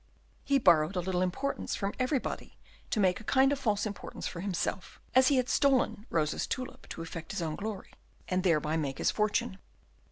He borrowed a little importance from everybody to make a kind of false importance for himself, as he had stolen Rosa's tulip to effect his own glory, and thereby make his fortune.